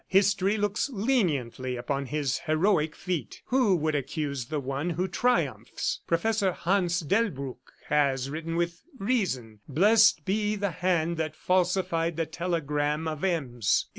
History looks leniently upon his heroic feat. Who would accuse the one who triumphs? ... Professor Hans Delbruck has written with reason, 'Blessed be the hand that falsified the telegram of Ems!